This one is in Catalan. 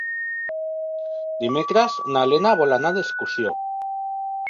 Dimecres na Lena vol anar d'excursió.